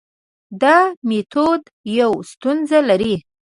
دا میتود یوه ستونزه لري.